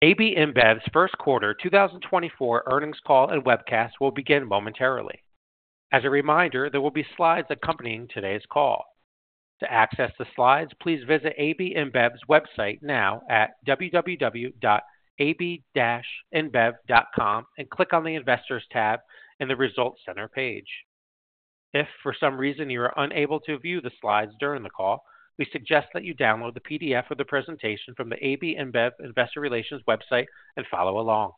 AB InBev's first quarter 2024 earnings call and webcast will begin momentarily. As a reminder, there will be slides accompanying today's call. To access the slides, please visit AB InBev's website now at www.ab-inbev.com and click on the Investors tab in the Results Center page. If for some reason you are unable to view the slides during the call, we suggest that you download the PDF of the presentation from the AB InBev Investor Relations website and follow along.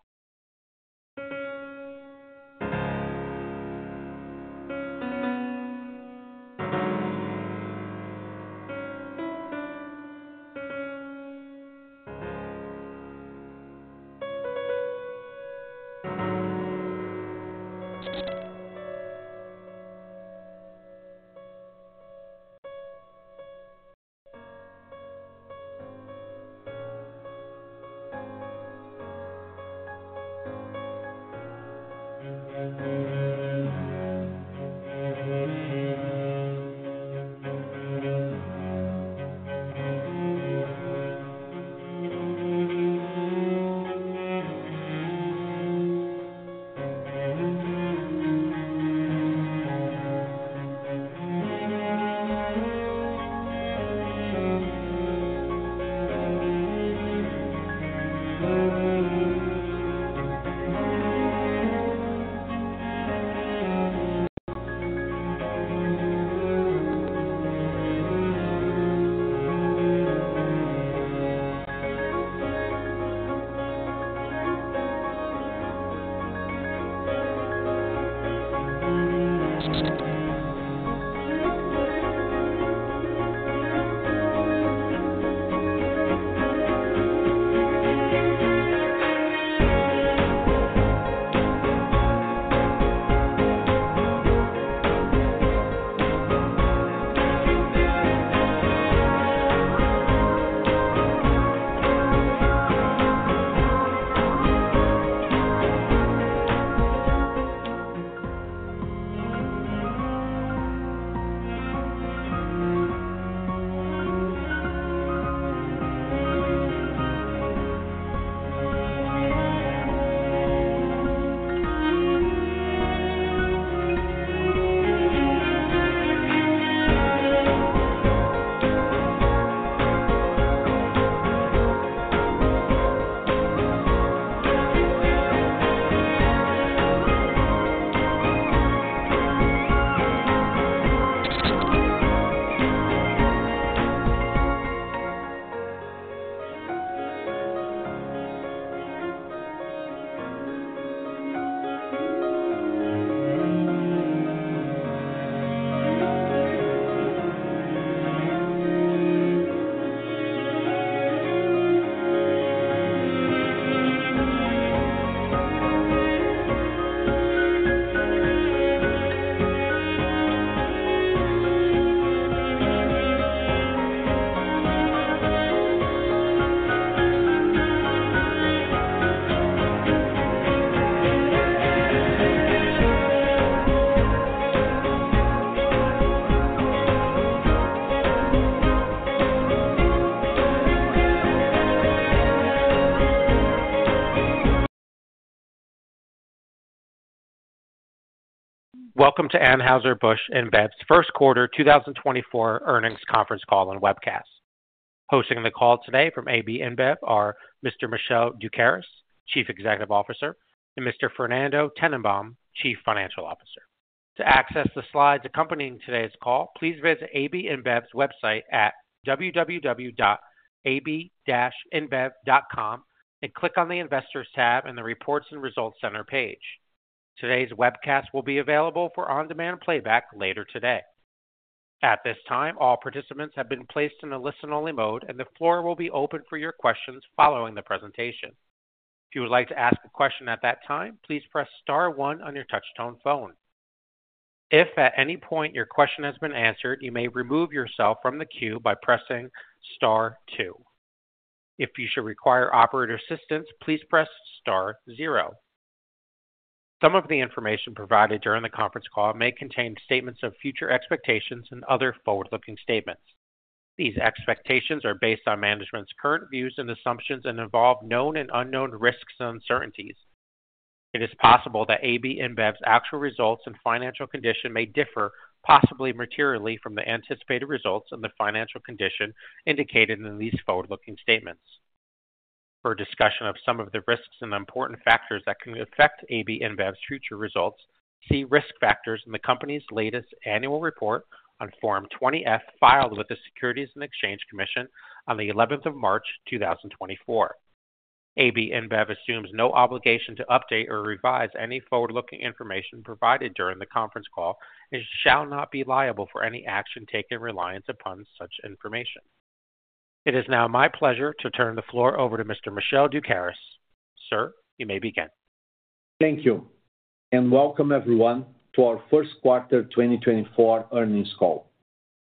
Welcome to Anheuser-Busch InBev's 1st quarter 2024 earnings conference call and webcast. Hosting the call today from AB InBev are Mr. Michel Doukeris, Chief Executive Officer, and Mr. Fernando Tennenbaum, Chief Financial Officer. To access the slides accompanying today's call, please visit AB InBev's website at www.ab-inbev.com and click on the Investors tab in the Reports and Results Center page. Today's webcast will be available for on-demand playback later today. At this time, all participants have been placed in a listen-only mode, and the floor will be open for your questions following the presentation. If you would like to ask a question at that time, please press star one on your touchtone phone. If at any point your question has been answered, you may remove yourself from the queue by pressing star two. If you should require operator assistance, please press star zero. Some of the information provided during the conference call may contain statements of future expectations and other forward-looking statements. These expectations are based on management's current views and assumptions and involve known and unknown risks and uncertainties. It is possible that AB InBev's actual results and financial condition may differ, possibly materially, from the anticipated results and the financial condition indicated in these forward-looking statements. For a discussion of some of the risks and important factors that can affect AB InBev's future results, see Risk Factors in the company's latest annual report on Form 20-F, filed with the Securities and Exchange Commission on the 11th of March 2024. AB InBev assumes no obligation to update or revise any forward-looking information provided during the conference call and shall not be liable for any action taken in reliance upon such information. It is now my pleasure to turn the floor over to Mr. Michel Doukeris. Sir, you may begin. Thank you, and welcome everyone to our first quarter 2024 earnings call.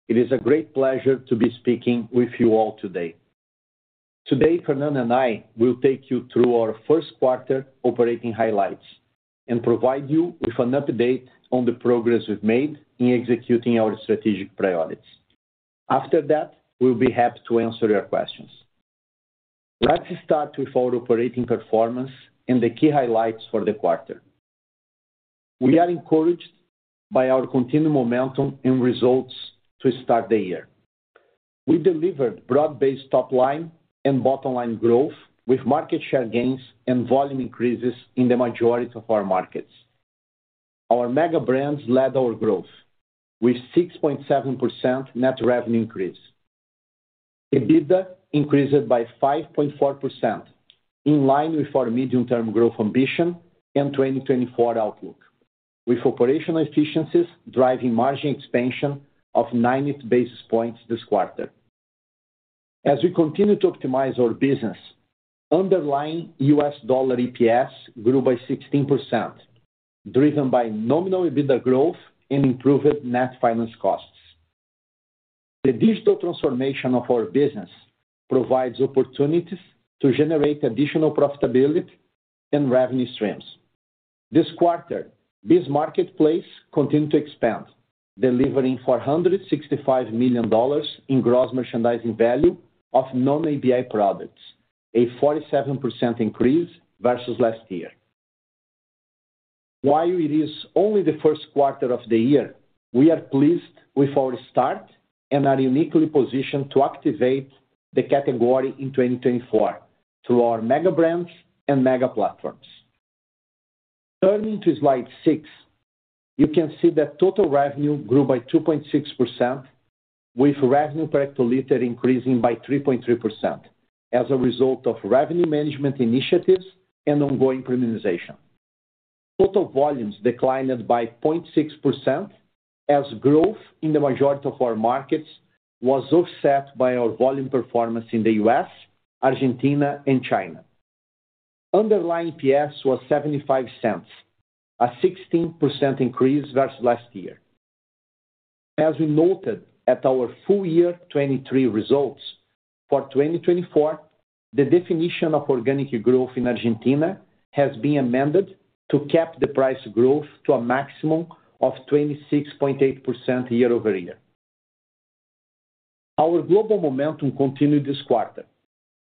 It is a great pleasure to be speaking with you all today. Today, Fernando and I will take you through our first quarter operating highlights and provide you with an update on the progress we've made in executing our strategic priorities.... After that, we'll be happy to answer your questions. Let's start with our operating performance and the key highlights for the quarter. We are encouraged by our continued momentum and results to start the year. We delivered broad-based top line and bottom line growth, with market share gains and volume increases in the majority of our markets. Our mega brands led our growth, with 6.7% net revenue increase. EBITDA increased by 5.4%, in line with our medium-term growth ambition and 2024 outlook, with operational efficiencies driving margin expansion of 90 basis points this quarter. As we continue to optimize our business, underlying U.S. dollar EPS grew by 16%, driven by nominal EBITDA growth and improved net finance costs. The digital transformation of our business provides opportunities to generate additional profitability and revenue streams. This quarter, this marketplace continued to expand, delivering $465 million in gross merchandising value of non-ABI products, a 47% increase versus last year. While it is only the first quarter of the year, we are pleased with our start and are uniquely positioned to activate the category in 2024 through our mega brands and megaplatforms. Turning to slide six, you can see that total revenue grew by 2.6%, with revenue per hectoliter increasing by 3.3% as a result of revenue management initiatives and ongoing premiumization. Total volumes declined by 0.6%, as growth in the majority of our markets was offset by our volume performance in the US, Argentina, and China. Underlying EPS was $0.75, a 16% increase versus last year. As we noted at our full year 2023 results, for 2024, the definition of organic growth in Argentina has been amended to cap the price growth to a maximum of 26.8% year-over-year. Our global momentum continued this quarter,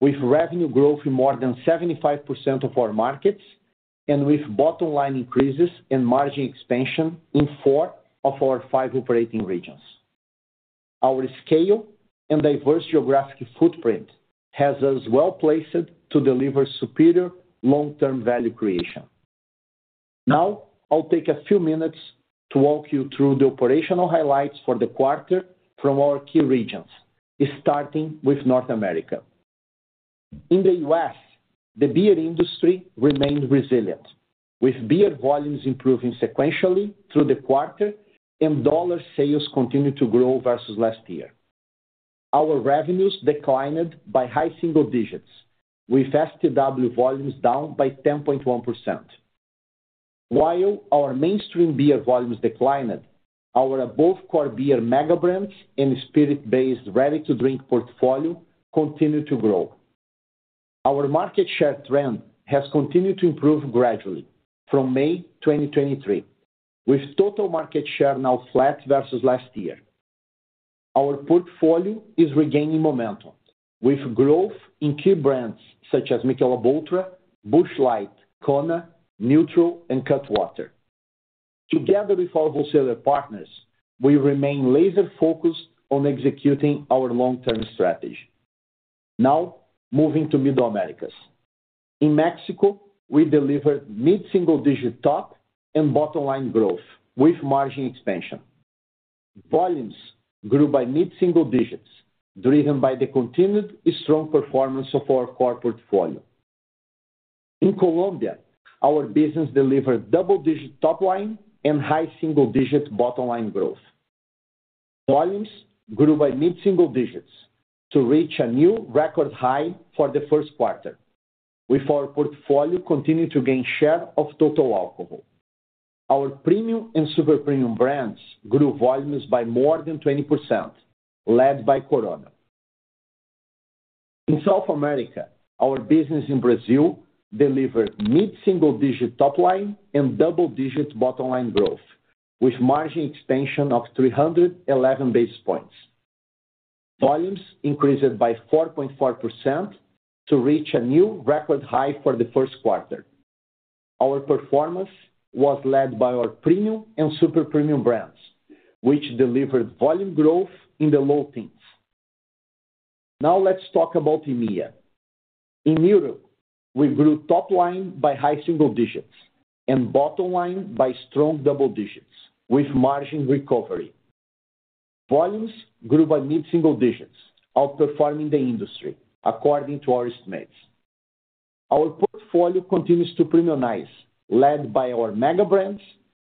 with revenue growth in more than 75% of our markets, and with bottom line increases and margin expansion in four of our five operating regions. Our scale and diverse geographic footprint has as well placed to deliver superior long-term value creation. Now, I'll take a few minutes to walk you through the operational highlights for the quarter from our key regions, starting with North America. In the US, the beer industry remained resilient, with beer volumes improving sequentially through the quarter, and dollar sales continued to grow versus last year. Our revenues declined by high single digits, with STW volumes down by 10.1%. While our mainstream beer volumes declined, our above core beer mega brands and spirit-based ready-to-drink portfolio continued to grow. Our market share trend has continued to improve gradually from May 2023, with total market share now flat versus last year. Our portfolio is regaining momentum, with growth in key brands such as Michelob ULTRA, Busch Light, Corona, Natural, and Cutwater. Together with our wholesaler partners, we remain laser-focused on executing our long-term strategy. Now, moving to Middle Americas. In Mexico, we delivered mid-single-digit top and bottom line growth with margin expansion. Volumes grew by mid-single digits, driven by the continued strong performance ofour core portfolio. In Colombia, our business delivered double-digit top line and high single-digit bottom line growth. Volumes grew by mid-single digits to reach a new record high for the first quarter, with our portfolio continuing to gain share of total alcohol. Our premium and super premium brands grew volumes by more than 20%, led by Corona. In South America, our business in Brazil delivered mid-single-digit top line and double-digit bottom line growth, with margin expansion of 311 basis points. Volumes increased by 4.4% to reach a new record high for the first quarter. Our performance was led by our premium and super premium brands, which delivered volume growth in the low teens. Now, let's talk about EMEA. In Europe, we grew top line by high single digits and bottom line by strong double digits with margin recovery. Volumes grew by mid-single digits, outperforming the industry, according to our estimates. Our portfolio continues to premiumize, led by our mega brands,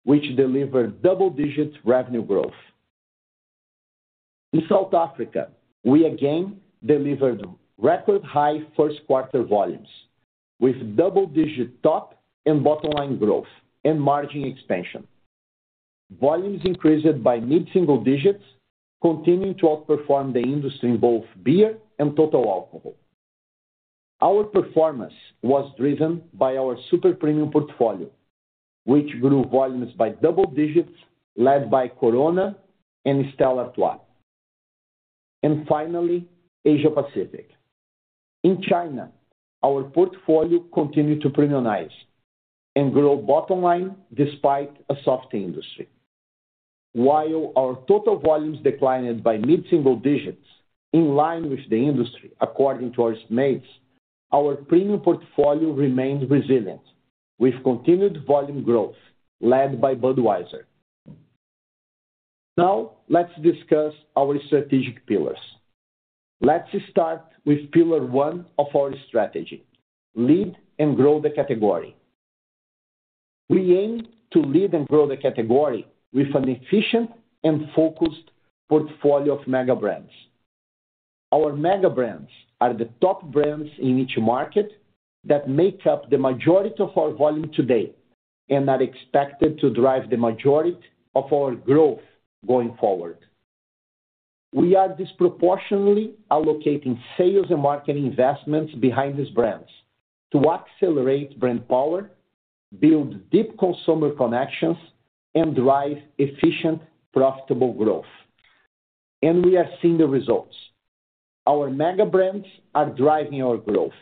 which deliver double-digit revenue growth. In South Africa, we again delivered record high first quarter volumes, with double-digit top and bottom line growth and margin expansion. Volumes increased by mid-single digits, continuing to outperform the industry in both beer and total alcohol... Our performance was driven by our super premium portfolio, which grew volumes by double digits, led by Corona and Stella Artois. And finally, Asia Pacific. In China, our portfolio continued to premiumize and grow bottom line despite a soft industry. While our total volumes declined by mid-single digits, in line with the industry, according to our estimates, our premium portfolio remained resilient, with continued volume growth led by Budweiser. Now, let's discuss our strategic pillars. Let's start with pillar one of our strategy, lead and grow the category. We aim to lead and grow the category with an efficient and focused portfolio of mega brands. Our mega brands are the top brands in each market that make up the majority of our volume today, and are expected to drive the majority of our growth going forward. We are disproportionately allocating sales and marketing investments behind these brands to accelerate brand power, build deep consumer connections, and drive efficient, profitable growth. We are seeing the results. Our mega brands are driving our growth,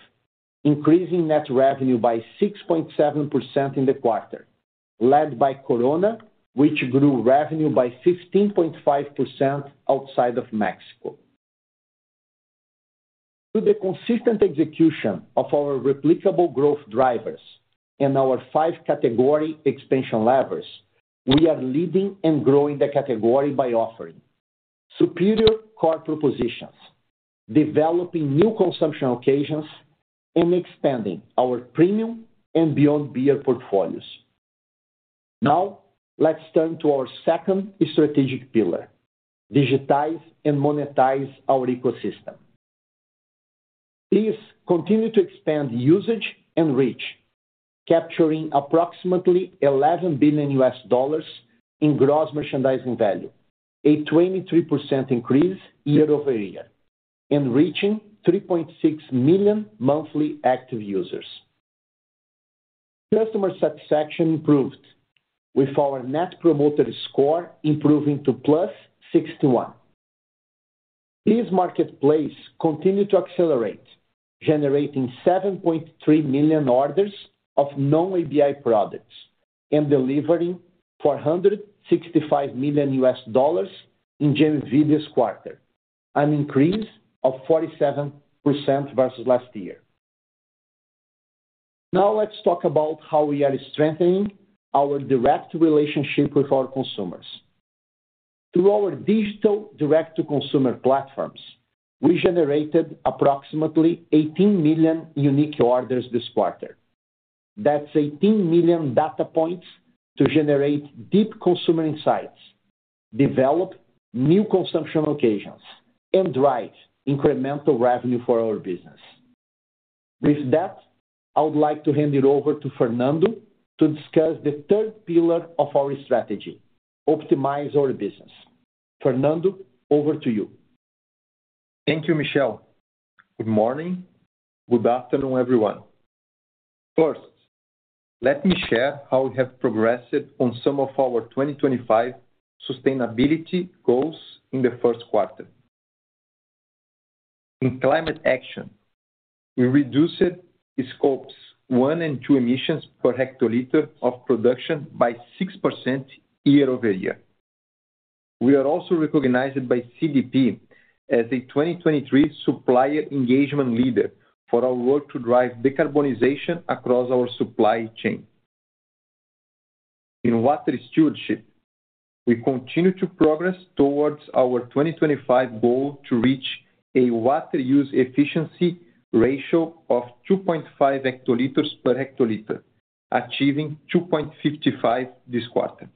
increasing net revenue by 6.7% in the quarter, led by Corona, which grew revenue by 16.5% outside of Mexico. Through the consistent execution of our replicable growth drivers and our five category expansion levers, we are leading and growing the category by offering superior core propositions, developing new consumption occasions, and expanding our premium and beyond beer portfolios. Now, let's turn to our second strategic pillar, digitize and monetize our ecosystem. BEES continue to expand usage and reach, capturing approximately $11 billion in gross merchandising value, a 23% increase year-over-year, and reaching 3.6 million monthly active users. Customer satisfaction improved, with our net promoter score improving to +61. BEES Marketplace continued to accelerate, generating 7.3 million orders of non-ABI products and delivering $465 million in GMV this quarter, an increase of 47% versus last year. Now, let's talk about how we are strengthening our direct relationship with our consumers. Through our digital direct-to-consumer platforms, we generated approximately 18 million unique orders this quarter. That's 18 million data points to generate deep consumer insights, develop new consumption occasions, and drive incremental revenue for our business. With that, I would like to hand it over to Fernando to discuss the 3rd pillar of our strategy, optimize our business. Fernando, over to you. Thank you, Michel. Good morning. Good afternoon, everyone. First, let me share how we have progressed on some of our 2025 sustainability goals in the first quarter. In climate action, we reduced the Scope 1 and 2 emissions per hectoliter of production by 6% year-over-year. We are also recognized by CDP as a 2023 supplier engagement leader for our work to drive decarbonization across our supply chain. In water stewardship, we continue to progress towards our 2025 goal to reach a water use efficiency ratio of 2.5 hectoliters per hectoliter, achieving 2.55 this quarter.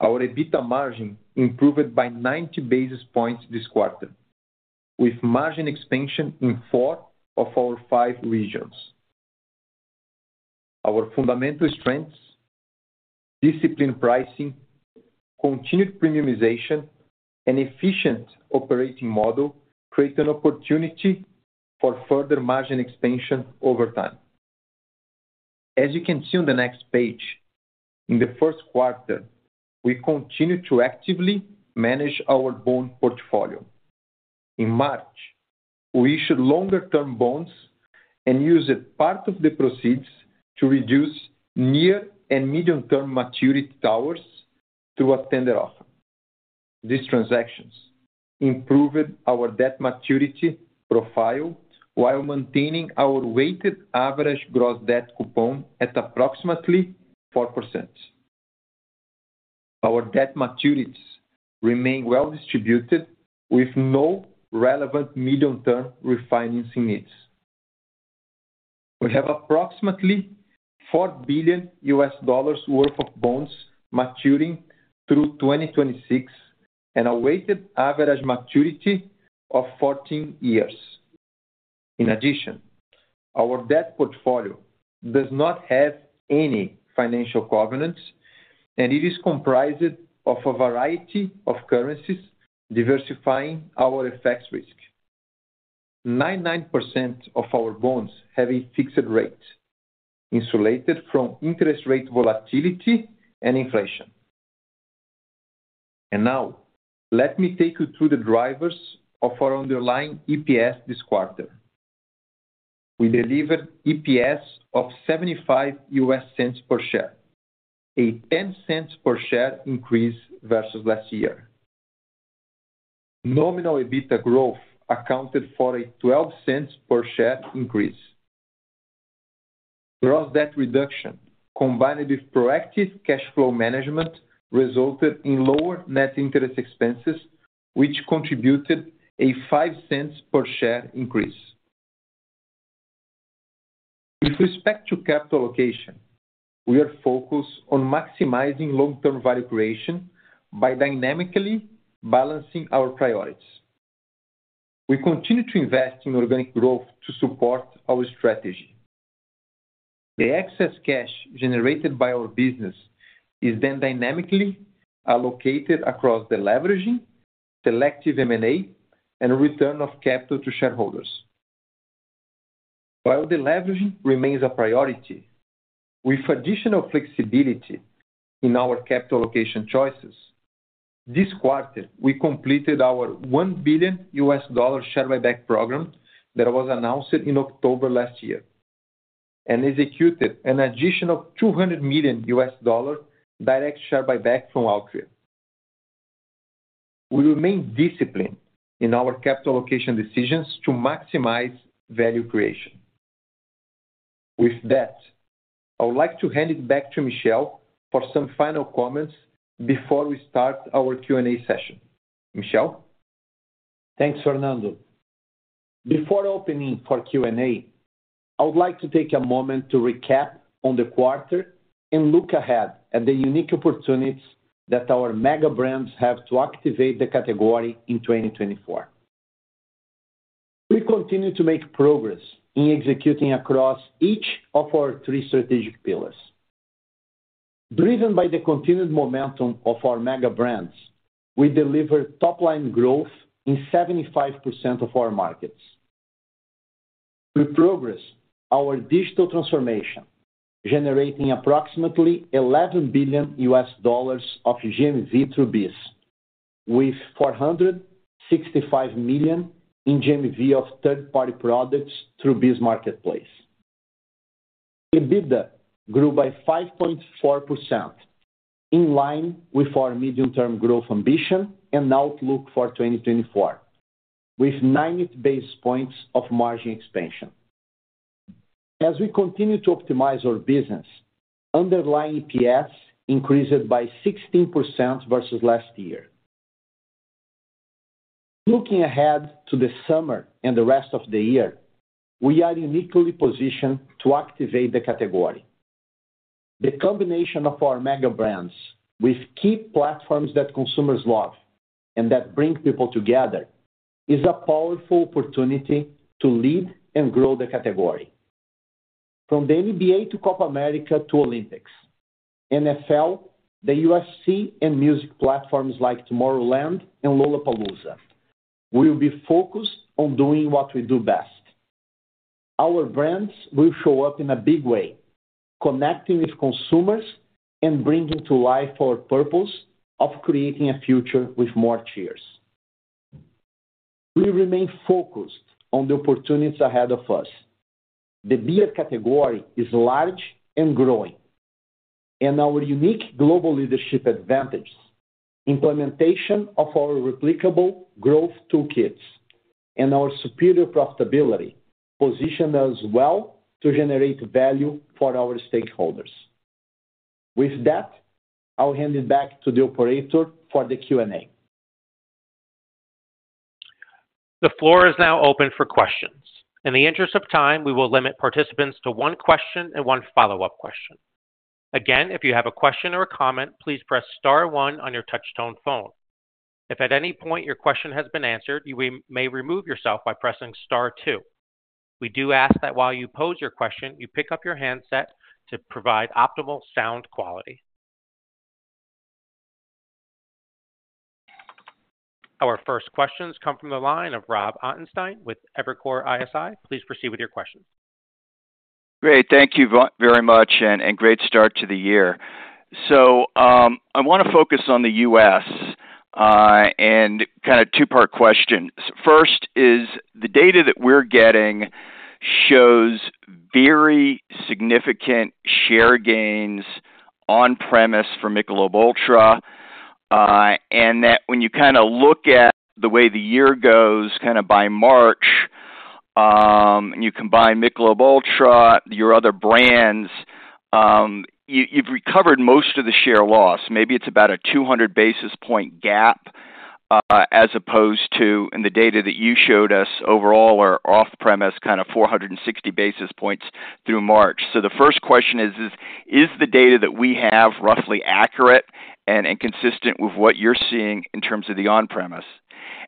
Our EBITDA margin improved by 90 basis points this quarter, with margin expansion in four of our five regions. Our fundamental strengths, disciplined pricing, continued premiumization, and efficient operating model, create an opportunity for further margin expansion over time. As you can see on the next page, in the first quarter, we continued to actively manage our bond portfolio. In March, we issued longer-term bonds and used part of the proceeds to reduce near- and medium-term maturity towers through a tender offer. These transactions improved our debt maturity profile while maintaining our weighted average gross debt coupon at approximately 4%. Our debt maturities remain well-distributed, with no relevant medium-term refinancing needs. We have approximately $4 billion worth of bonds maturing through 2026 and a weighted average maturity of 14 years. Our debt portfolio does not have any financial covenants, and it is comprised of a variety of currencies, diversifying our FX risk. 99% of our bonds have a fixed rate, insulated from interest rate volatility and inflation. And now let me take you through the drivers of our underlying EPS this quarter. We delivered EPS of $0.75 per share, a $0.10 per share increase versus last year. Nominal EBITDA growth accounted for a $0.12 per share increase. Gross debt reduction, combined with proactive cash flow management, resulted in lower net interest expenses, which contributed a $0.05 per share increase. With respect to capital allocation, we are focused on maximizing long-term value creation by dynamically balancing our priorities. We continue to invest in organic growth to support our strategy. The excess cash generated by our business is then dynamically allocated across de-leveraging, selective M&A, and return of capital to shareholders. While de-leveraging remains a priority, with additional flexibility in our capital allocation choices, this quarter, we completed our $1 billion share buyback program that was announced in October last year, and executed an additional $200 million direct share buyback from Altria. We remain disciplined in our capital allocation decisions to maximize value creation. With that, I would like to hand it back to Michel for some final comments before we start our Q&A session. Michel? Thanks, Fernando. Before opening for Q&A, I would like to take a moment to recap on the quarter and look ahead at the unique opportunities that our mega brands have to activate the category in 2024. We continue to make progress in executing across each of our three strategic pillars. Driven by the continued momentum of our mega brands, we delivered top-line growth in 75% of our markets. We progress our digital transformation, generating approximately $11 billion of GMV through BEES, with $465 million in GMV of third-party products through BEES Marketplace. EBITDA grew by 5.4%, in line with our medium-term growth ambition and outlook for 2024, with 90 basis points of margin expansion. As we continue to optimize our business, underlying EPS increased by 16% versus last year. Looking ahead to the summer and the rest of the year, we are uniquely positioned to activate the category. The combination of our mega brands with key platforms that consumers love and that bring people together, is a powerful opportunity to lead and grow the category. From the NBA to Copa America to Olympics, NFL, the UFC, and music platforms like Tomorrowland and Lollapalooza, we will be focused on doing what we do best. Our brands will show up in a big way, connecting with consumers and bringing to life our purpose of creating a future with more cheers. We remain focused on the opportunities ahead of us. The beer category is large and growing, and our unique global leadership advantage, implementation of our replicable growth toolkits, and our superior profitability position us well to generate value for our stakeholders. With that, I'll hand it back to the operator for the Q&A. The floor is now open for questions. In the interest of time, we will limit participants to one question and one follow-up question. Again, if you have a question or a comment, please press star one on your touchtone phone. If at any point your question has been answered, you may remove yourself by pressing star two. We do ask that while you pose your question, you pick up your handset to provide optimal sound quality. Our first questions come from the line of Rob Ottenstein with Evercore ISI. Please proceed with your question. Great, thank you very much, and great start to the year. So, I want to focus on the US, and kind of two-part question. First is, the data that we're getting shows very significant share gains on premise for Michelob ULTRA. And that when you kind of look at the way the year goes, kind of by March, and you combine Michelob ULTRA, your other brands, you've recovered most of the share loss. Maybe it's about a 200 basis point gap, as opposed to in the data that you showed us overall or off premise, kind of 460 basis points through March. So the first question is: Is the data that we have roughly accurate and consistent with what you're seeing in terms of the on-premise?...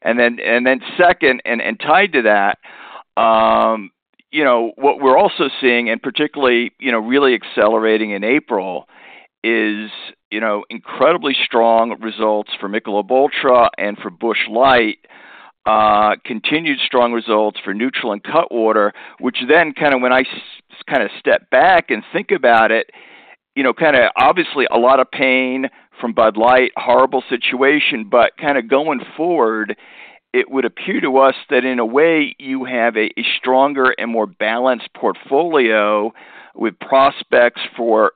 And then second, and tied to that, you know, what we're also seeing, and particularly, you know, really accelerating in April, is, you know, incredibly strong results for Michelob Ultra and for Busch Light, continued strong results for NÜTRL and Cutwater, which then kind of, when I kind of step back and think about it, you know, kind of obviously a lot of pain from Bud Light, horrible situation, but kind of going forward, it would appear to us that in a way, you have a stronger and more balanced portfolio with prospects for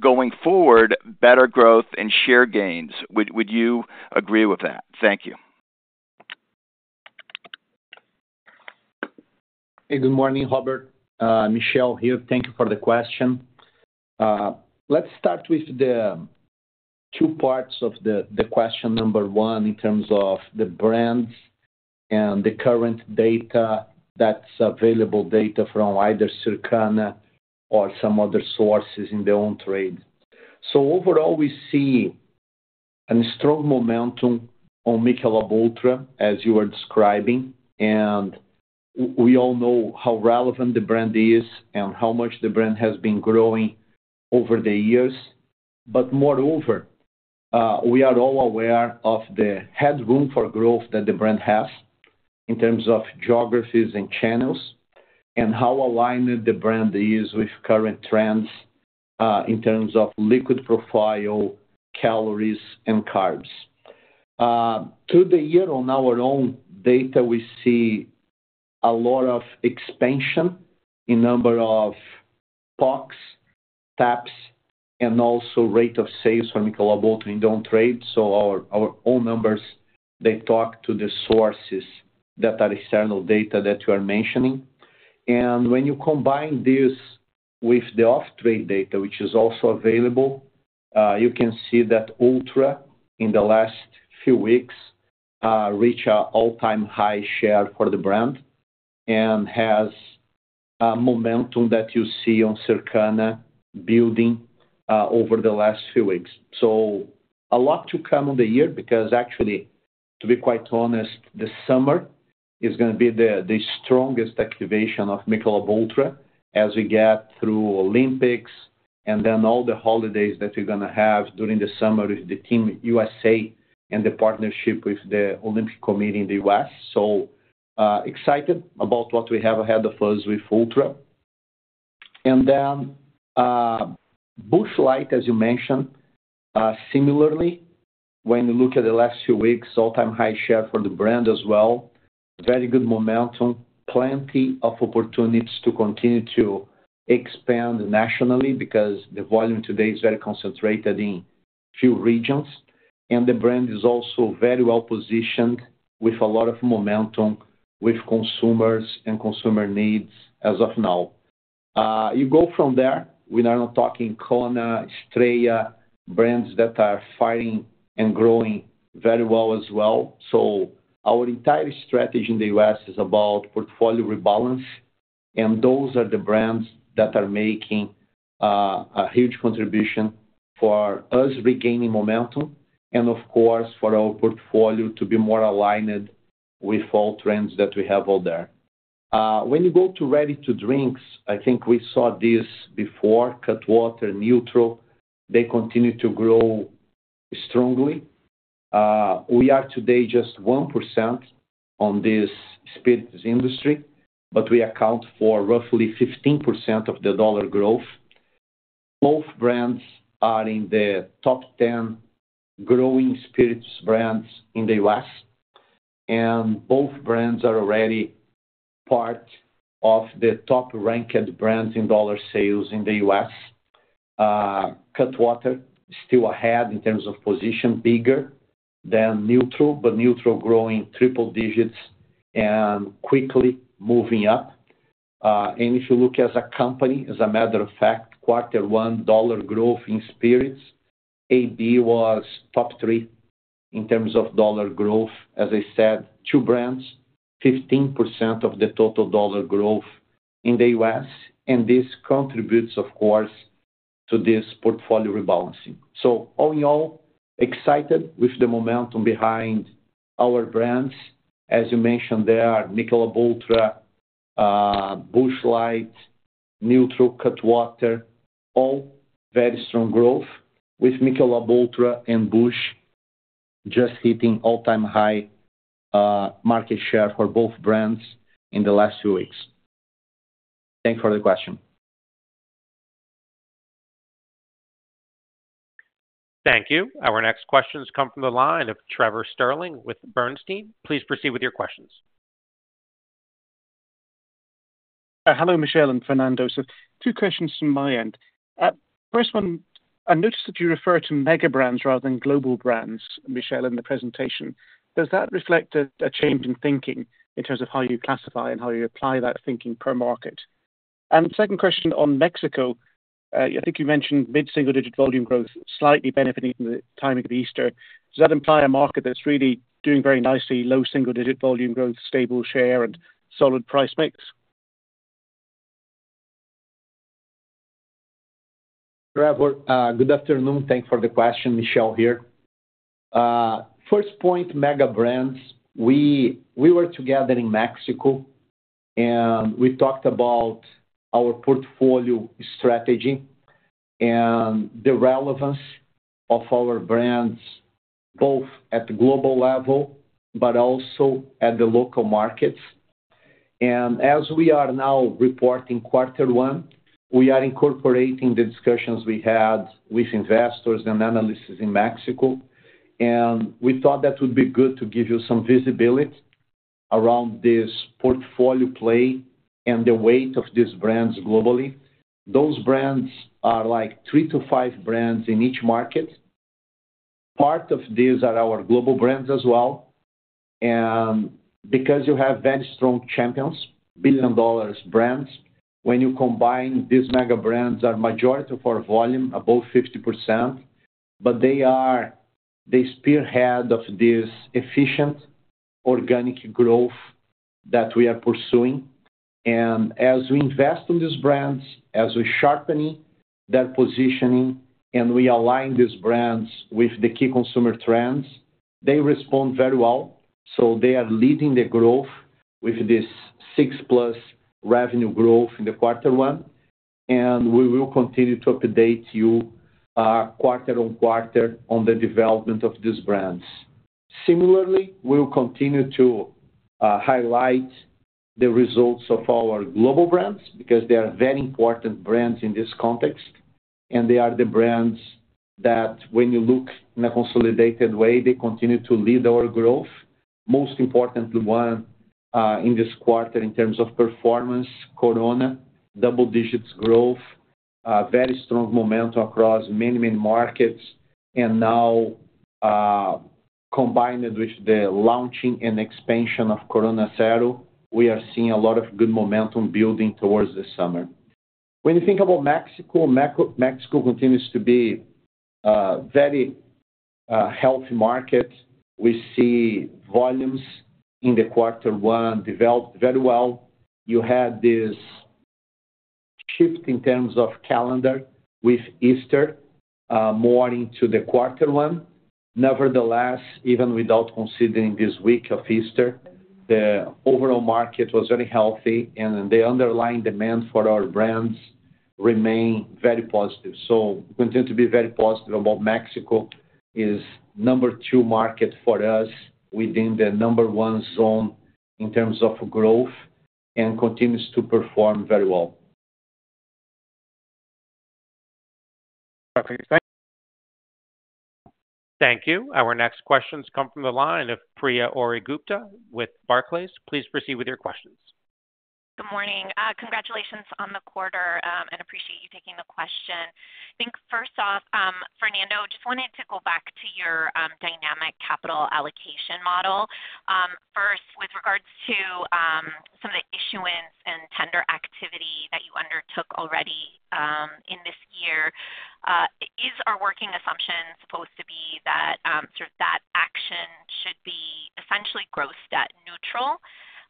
going forward, better growth and share gains. Would you agree with that? Thank you. Hey, good morning, Robert. Michel here. Thank you for the question. Let's start with the two parts of the question, number 1, in terms of the brands and the current data that's available, data from either Circana or some other sources in their own trade. So overall, we see a strong momentum on Michelob ULTRA, as you are describing, and we all know how relevant the brand is and how much the brand has been growing over the years. But moreover, we are all aware of the headroom for growth that the brand has in terms of geographies and channels, and how aligned the brand is with current trends, in terms of liquid profile, calories, and carbs. Through the year, on our own data, we see a lot of expansion in number of packs, taps, and also rate of sales for Michelob ULTRA in down trade. So our, our own numbers, they talk to the sources that are external data that you are mentioning. And when you combine this with the off-trade data, whichis also available, you can see that ULTRA, in the last few weeks, reach an all-time high share for the brand and has a momentum that you see on Circana building, over the last few weeks. So a lot to come on the year, because actually, to be quite honest, this summer is gonna be the strongest activation of Michelob ULTRA as we get through Olympics and then all the holidays that we're gonna have during the summer with the Team USA and the partnership with the Olympic Committee in the US. So, excited about what we have ahead of us with ULTRA. And then, Busch Light, as you mentioned, similarly, when you look at the last few weeks, all-time high share for the brand as well. Very good momentum, plenty of opportunities to continue to expand nationally because the volume today is very concentrated in few regions, and the brand is also very well positioned with a lot of momentum with consumers and consumer needs as of now. You go from there, we are now talking Kona, Estrella, brands that are fighting and growing very well as well. So our entire strategy in the US is about portfolio rebalance, and those are the brands that are making a huge contribution for us regaining momentum, and of course, for our portfolio to be more aligned with all trends that we have out there. When you go to ready-to-drinks, I think we saw this before, Cutwater, NÜTRL, they continue to grow strongly. We are today just 1% on this spirits industry, but we account for roughly 15% of the dollar growth. Both brands are in the top 10 growing spirits brands in the US, and both brands are already part of the top-ranked brands in dollar sales in the US. Cutwater is still ahead in terms of position, bigger than NÜTRL, but NÜTRL growing triple digits and quickly moving up. If you look as a company, as a matter of fact, quarter one dollar growth in spirits, AB was top three in terms of dollar growth. As I said, two brands, 15% of the total dollar growth in the US, and this contributes, of course, to this portfolio rebalancing. So all in all, excited with the momentum behind our brands. As you mentioned, they are Michelob ULTRA, Busch Light, NÜTRL, Cutwater, all very strong growth, with Michelob ULTRA and Busch just hitting all-time high market share for both brands in the last few weeks. Thank you for the question. Thank you. Our next questions come from the line of Trevor Stirling with Bernstein. Please proceed with your questions. Hello, Michel and Fernando. So two questions from my end. First one, I noticed that you refer to mega brands rather than global brands, Michel, in the presentation. Does that reflect a change in thinking in terms of how you classify and how you apply that thinking per market? And 2nd question on Mexico, I think you mentioned mid-single digit volume growth, slightly benefiting from the timing of Easter. Does that imply a market that's really doing very nicely, low single digit volume growth, stable share, and solid price mix?... Trevor, good afternoon. Thanks for the question, Michel here. First point, mega brands. We, we were together in Mexico, and we talked about our portfolio strategy and the relevance of our brands, both at the global level, but also at the local markets. And as we are now reporting quarter one, we are incorporating the discussions we had with investors and analysts in Mexico. And we thought that would be good to give you some visibility around this portfolio play and the weight of these brands globally. Those brands are like three to five brands in each market. Part of these are our global brands as well. And because you have very strong champions, billion-dollar brands, when you combine these mega brands are majority of our volume, above 50%, but they are the spearhead of this efficient organic growth that we are pursuing. As we invest in these brands, as we're sharpening their positioning, and we align these brands with the key consumer trends, they respond very well. So they are leading the growth with this 6+ revenue growth in quarter one, and we will continue to update you quarter on quarter on the development of these brands. Similarly, we'll continue to highlight the results of our global brands because they are very important brands in this context, and they are the brands that when you look in a consolidated way, they continue to lead our growth. Most importantly, in this quarter in terms of performance, Corona, double-digit growth, very strong momentum across many, many markets. And now, combined with the launching and expansion of Corona Cero, we are seeing a lot of good momentum building towards the summer. When you think about Mexico, Mexico continues to be very healthy market. We see volumes in the quarter one developed very well. You had this shift in terms of calendar with Easter more into the quarter one. Nevertheless, even without considering this week of Easter, the overall market was very healthy, and the underlying demand for our brands remain very positive. So we continue to be very positive about Mexico, is number two market for us, within the number one zone in terms of growth, and continues to perform very well. Okay, thank you. Our next questions come from the line of Priya Ohri-Gupta with Barclays. Please proceed with your questions. Good morning. Congratulations on the quarter, and appreciate you taking the question. I think first off, Fernando, just wanted to go back to your dynamic capital allocation model. First, with regards to some of the issuance and tender activity that you undertook already in this year, is our working assumption supposed to be that sort of that action should be essentially gross debt neutral?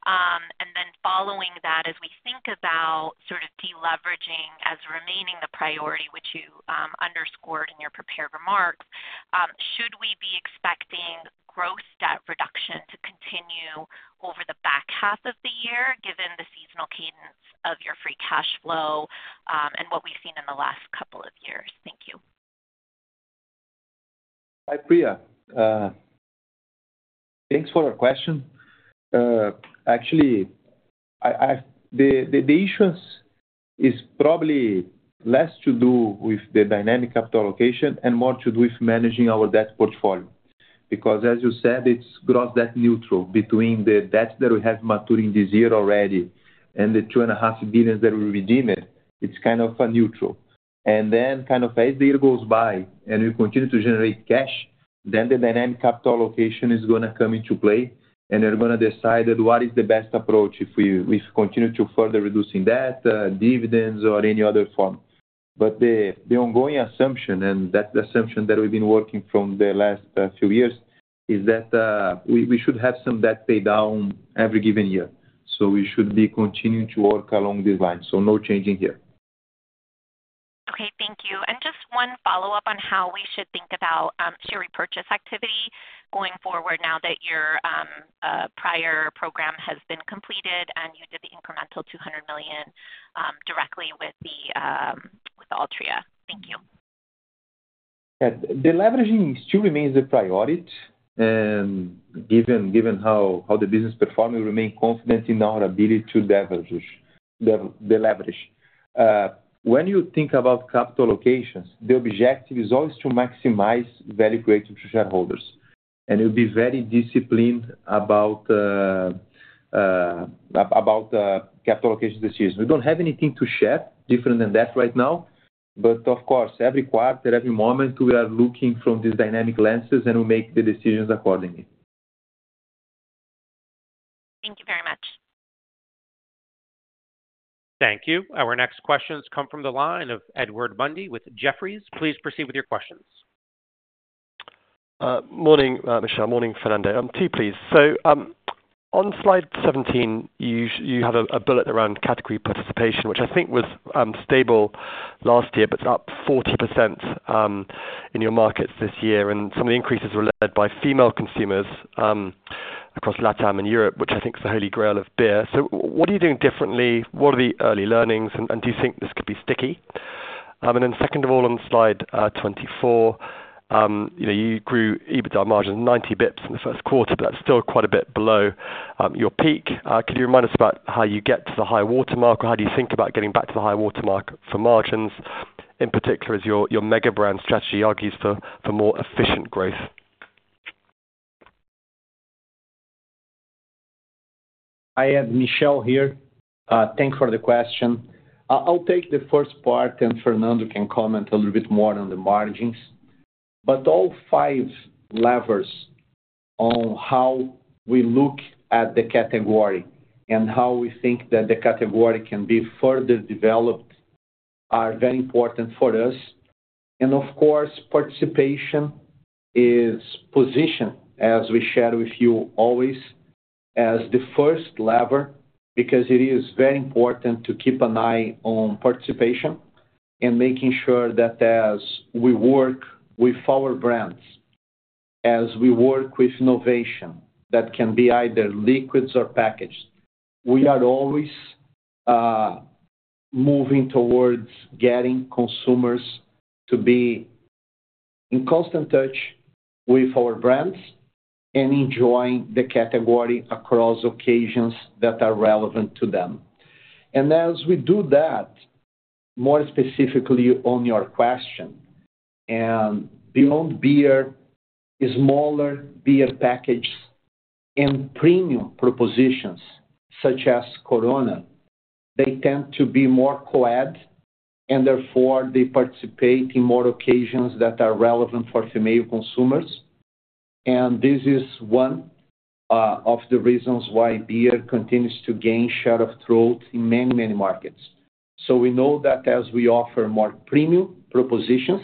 And then following that, as we think about sort of deleveraging as remaining the priority, which you underscored in your prepared remarks, should we be expecting gross debt reduction to continue over the back half of the year, given the seasonal cadence of your free cash flow, and what we've seen in the last couple of years? Thank you. Hi, Priya. Thanks for your question. Actually, the issuance is probably less to do with the dynamic capital allocation and more to do with managing our debt portfolio. Because as you said, it's gross debt neutral between the debts that we have maturing this year already and the $2.5 billion that we redeemed, it's kind of a neutral. And then kind of as the year goes by and we continue to generate cash, then the dynamic capital allocation is going to come into play, and they're going to decide that what is the best approach if we continue to further reducing debt, dividends or any other form. But the ongoing assumption, and that's the assumption that we've been working from the last few years, is that we should have some debt pay down every given year. So we should be continuing to work along these lines. So no changing here. Okay, thank you. Just one follow-up on how we should think about share repurchase activity going forward now that your prior program has been completed and you did the incremental $200 million directly with Altria. Thank you. Yeah. Deleveraging still remains a priority, given how the business performing, we remain confident in our ability to deleverage. When you think about capital allocations, the objective is always to maximize value creation to shareholders, and it will be very disciplined about capital allocation this year. We don't have anything to share different than that right now, but of course, every quarter, every moment, we are looking from these dynamic lenses, and we make the decisions accordingly. Thank you very much. Thank you. Our next questions come from the line of Edward Mundy with Jefferies. Please proceed with your questions.... Morning, Michel. Morning, Fernando. Two please. So, on slide 17, you have a bullet around category participation, which I think was stable last year, but it's up 40% in your markets this year, and some of the increases were led by female consumers across LATAM and Europe, which I think is the holy grail of beer. So what are you doing differently? What are the early learnings, and do you think this could be sticky? And then second of all, on slide 24, you know, you grew EBITDA margins 90 pips in the first quarter, but that's still quite a bit below your peak. Can you remind us about how you get to the high water mark? Or how do you think about getting back to the high water mark for margins, in particular, as your, your mega brand strategy argues for, for more efficient growth? I have Michelle here. Thank you for the question. I'll take the first part, and Fernando can comment a little bit more on the margins. But all five levers on how we look at the category and how we think that the category can be further developed are very important for us. And of course, participation is positioned, as we share with you always, as the first lever, because it is very important to keep an eye on participation and making sure that as we work with our brands, as we work with innovation, that can be either liquids or packaged. We are always moving towards getting consumers to be in constant touch with our brands and enjoying the category across occasions that are relevant to them. As we do that, more specifically on your question, and beyond beer, smaller beer packages and premium propositions, such as Corona, they tend to be more co-ed, and therefore they participate in more occasions that are relevant for female consumers. This is one of the reasons why beer continues to gain share of throat in many, many markets. We know that as we offer more premium propositions,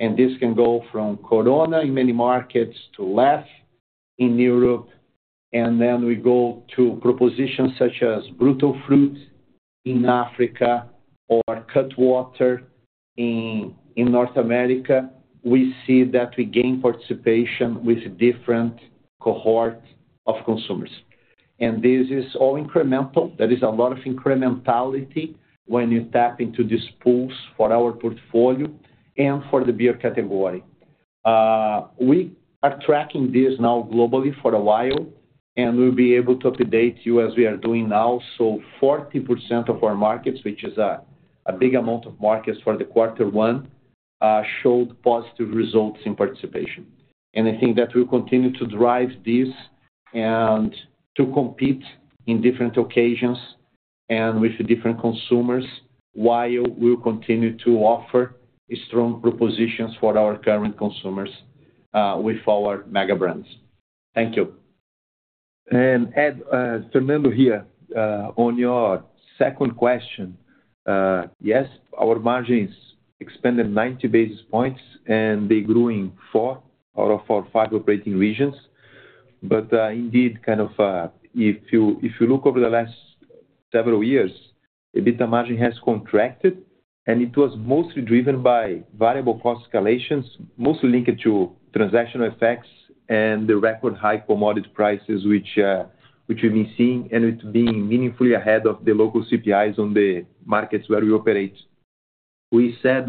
and this can go from Corona in many markets to Leffe in Europe, and then we go to propositions such as Brutal Fruit in Africa or Cutwater in North America, we see that we gain participation with different cohort of consumers. This is all incremental. There is a lot of incrementality when you tap into these pools for our portfolio and for the beer category. We are tracking this now globally for a while, and we'll be able to update you as we are doing now. So 40%of our markets, which is a big amount of markets for the quarter one, showed positive results in participation. I think that we'll continue to drive this and to compete in different occasions and with different consumers, while we'll continue to offer strong propositions for our current consumers with our mega brands. Thank you. And Ed, Fernando here. On your second question, yes, our margins expanded 90 basis points, and they grew in four out of our five operating regions. But, indeed, kind of, if you, if you look over the last several years, EBITDA margin has contracted, and it was mostly driven by variable cost escalations, mostly linked to transactional effects and the record high commodity prices, which, which we've been seeing, and it's being meaningfully ahead of the local CPIs on the markets where we operate. We said,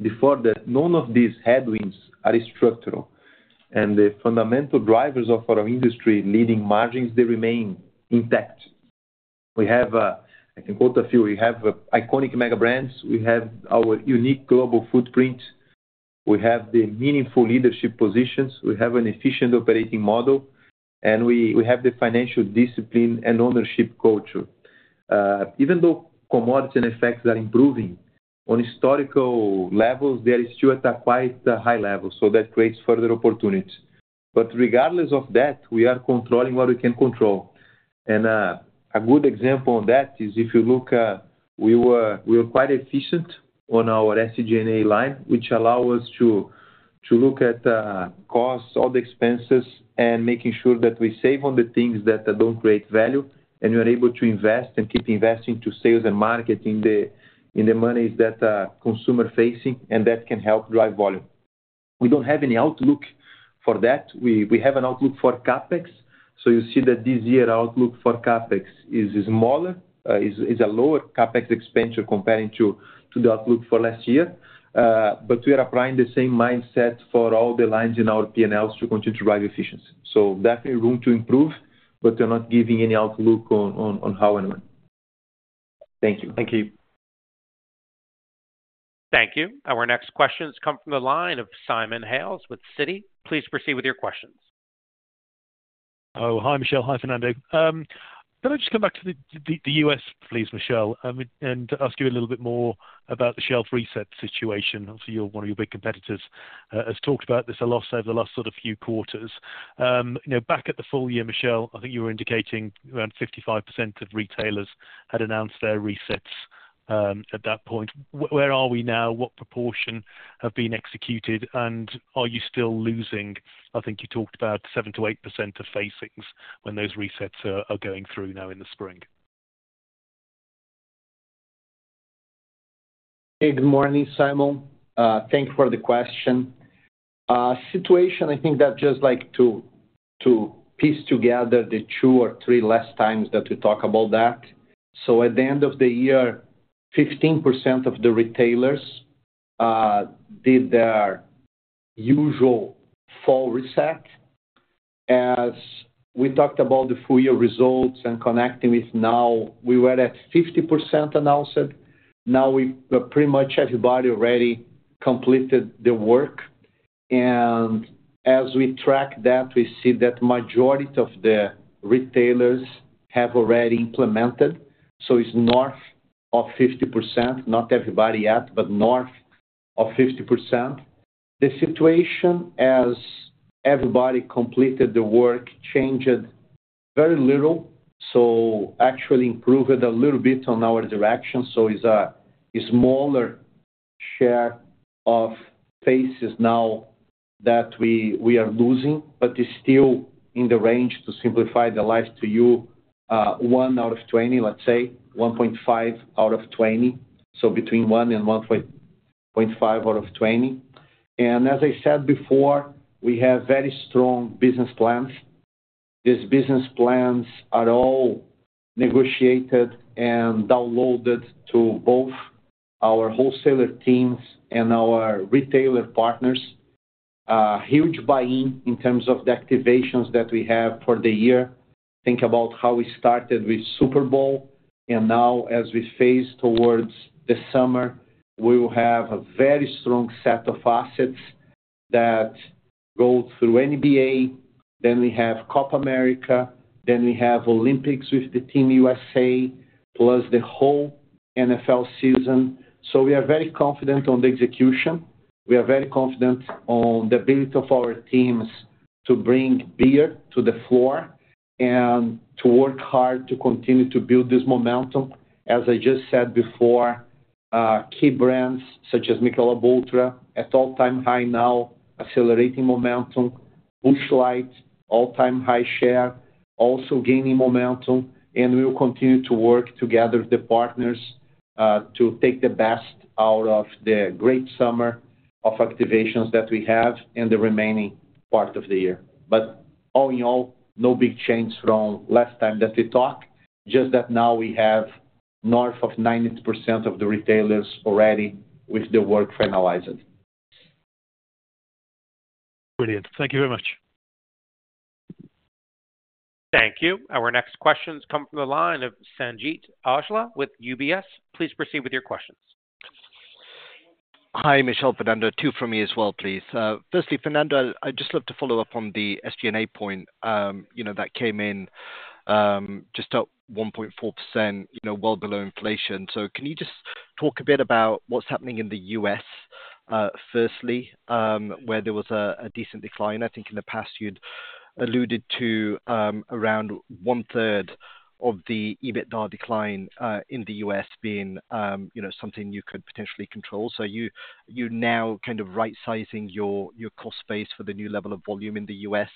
before that none of these headwinds are structural, and the fundamental drivers of our industry-leading margins, they remain intact. We have, I can quote a few. We have iconic mega brands. We have our unique global footprint. We have the meaningful leadership positions. We have an efficient operating model, and we have the financial discipline and ownership culture. Even though commodity and effects are improving, on historical levels, they are still at quite a high level, so that creates further opportunities. But regardless of that, we are controlling what we can control. A good example on that is if you look, we were quite efficient on our SG&A line, which allow us to look at costs, all the expenses, and making sure that we save on the things that don't create value, and we are able to invest and keep investing to sales and marketing in the monies that are consumer facing, and that can help drive volume. We don't have any outlook for that. We have an outlook for CapEx. So you see that this year, outlook for CapEx is smaller, a lower CapEx expenditure comparing to the outlook for last year. But we are applying the same mindset for all the lines in our P&Ls to continue to drive efficiency. So definitely room to improve, but we're not giving any outlook on how and when. Thank you. Thank you. Thank you. Our next question has come from the line of Simon Hales with Citi. Please proceed with your questions. Oh, hi, Michel. Hi, Fernando. Can I just come back to the US, please, Michel, and ask you a little bit more about the shelf reset situation? Obviously, your one of your big competitors has talked about this a lot over the last sort of few quarters. You know, back at the full year, Michel, I think you were indicating around 55% of retailers had announced their resets at that point. Where are we now? What proportion have been executed, and are you still losing, I think you talked about 7%-8% of facings when those resets are going through now in the spring? Hey, good morning, Simon. Thank you for the question. Situation, I think that just like to piece together the two or three last times that we talk about that. So at the end of the year, 15% of the retailers did their usual fall reset. As we talked about the full year results and connecting with now, we were at 50% announcement. Now pretty much everybody already completed the work, and as we track that, we see that majority of the retailers have already implemented, so it's north of 50%, not everybody yet, but north of 50%. The situation, as everybody completed the work, changed very little, so actually improved a little bit on our direction, so is a smaller share of faces now that we are losing, but is still in the range. To simplify the life to you, one out of 20, let's say, 1.5 out of 20, so between 1 and 1.5 out of 20. And as I said before, we have very strong business plans. These business plans are all negotiated and downloaded to both our wholesaler teams and our retailer partners. Huge buy-in, in terms of the activations that we have for the year. Think about how we started with Super Bowl, and now as we phase towards the summer, we will have a very strong set of assets that go through NBA, then we have Copa America, then we have Olympics with the Team USA, plus the whole NFL season. So we are very confident on the execution. We are very confident on the ability of our teams to bring beer to the floor and to work hard to continue to build this momentum. As I just said before, key brands, such as Michelob ULTRA, at all-time high now, accelerating momentum. Busch Light, all-time high share, also gaining momentum, and we will continue to work together with the partners, to take the best out of the great summer of activations that we have in the remaining part of the year. All in all, no big change from last time that we talked, just that now we have north of 90% of the retailers already with the work finalized. Brilliant. Thank you very much. Thank you. Our next questions come from the line of Sanjit Aujla with UBS. Please proceed with your questions. Hi, Michel, Fernando. Two from me as well, please. Firstly, Fernando, I'd just love to follow up on the SG&A point. You know, that came in just up 1.4%, you know, well below inflation. So can you just talk a bit about what's happening in the US, firstly, where there was a decent decline? I think in the past you'd alluded to around one third of the EBITDA decline in the US being, you know, something you could potentially control. So you now kind of right-sizing your cost base for the new level of volume in the US,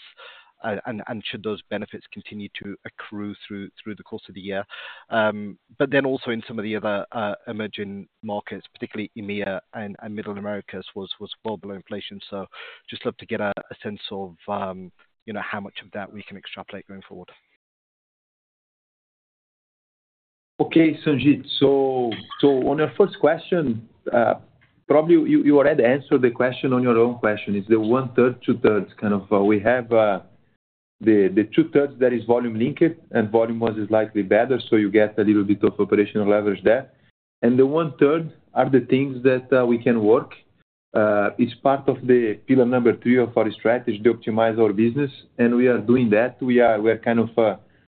and should those benefits continue to accrue through the course of the year. But then also in some of the other emerging markets, particularly EMEA and Middle Americas, was well below inflation. So just love to get a sense of, you know, how much of that we can extrapolate going forward. Okay, Sanjit. So on your first question, probably you already answered the question on your own question. Is the one third, two thirds kind of, we have the two thirds that is volume linked, and volume one is likely better, so you get a little bit of operational leverage there. And the one third are the things that we can work. It's part of the pillar number three of our strategy to optimize our business, and we are doing that. We're kind of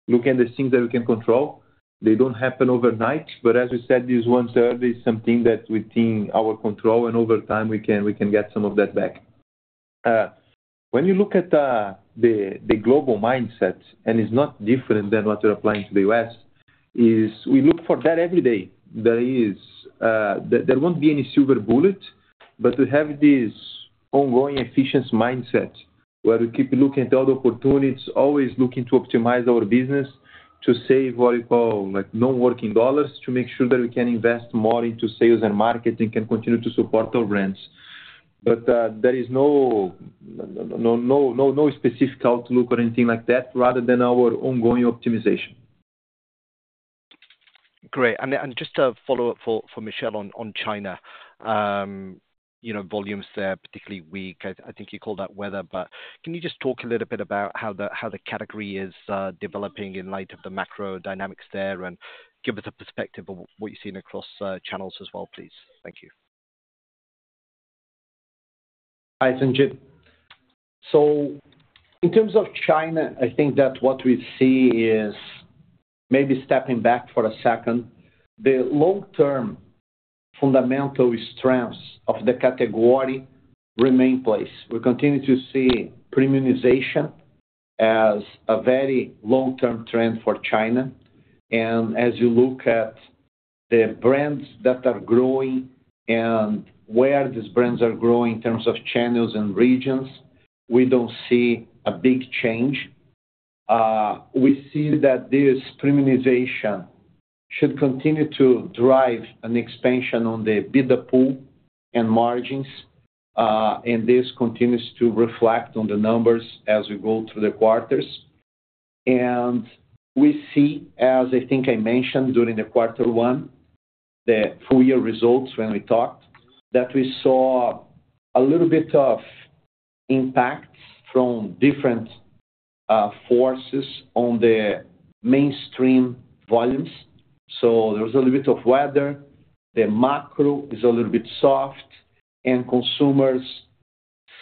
looking at the things that we can control. They don't happen overnight, but as we said, this one third is something that within our control, and over time, we can get some of that back. When you look at the global mindset, and it's not different than what you're applying to the U.S., is we look for that every day. There won't be any silver bullet, but we have this ongoing efficient mindset, where we keep looking at other opportunities, always looking to optimize our business, to save what we call, like, non-working dollars, to make sure that we can invest more into sales and marketing, can continue to support our brands. But there is no specific outlook or anything like that, rather than our ongoing optimization. Great. Just a follow-up for Michel on China. You know, volumes there, particularly weak. I think you call that weather, but can you just talk a little bit about how the category is developing in light of the macro dynamics there, and give us a perspective of what you're seeing across channels as well, please? Thank you. Hi, Sanjit. So in terms of China, I think that what we see is maybe stepping back for a second. The long-term fundamental strengths of the category remain in place. We continue to see premiumization as a very long-term trend for China. And as you look at the brands that are growing and where these brands are growing in terms of channels and regions, we don't see a big change. We see that this premiumization should continue to drive an expansion on the beer pool and margins, and this continues to reflect on the numbers as we go through the quarters. And we see, as I think I mentioned during the quarter one, the full year results when we talked, that we saw a little bit of impact from different forces on the mainstream volumes. So there was a little bit of weather. The macro is a little bit soft, and consumers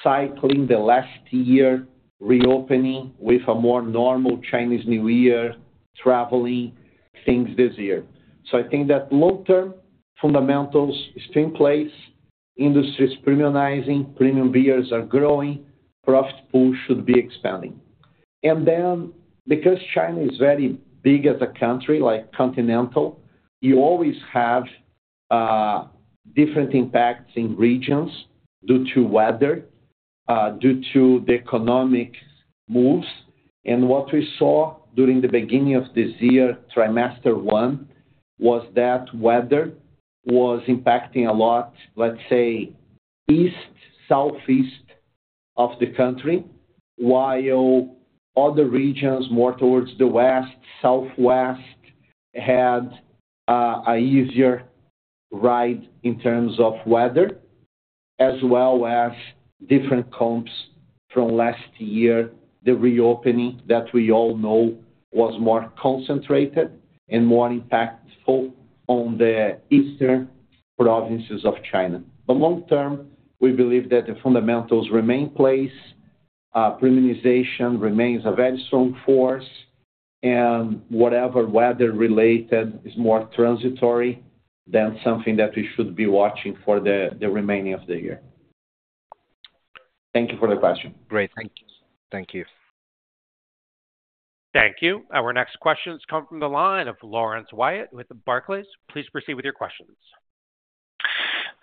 cycling the last year, reopening with a more normal Chinese New Year, traveling, things this year. So I think that long-term fundamentals is still in place, industry is premiumizing, premium beers are growing, profit pool should be expanding. And then, because China is very big as a country, like continental, you always have different impacts in regions due to weather, due to the economic moves. And what we saw during the beginning of this year, first quarter, was that weather was impacting a lot, let's say, east, southeast of the country, while other regions, more towards the west, southwest, had an easier ride in terms of weather, as well as different comps from last year. The reopening that we all know was more concentrated and more impactful on the eastern provinces of China. But long-term, we believe that the fundamentals remain in place, premiumization remains a very strong force, and whatever weather-related is more transitory than something that we should be watching for the remaining of the year. Thank you for the question. Great, thank you. Thank you. Thank you. Our next question comes from the line of Laurence Whyatt with Barclays. Please proceed with your questions.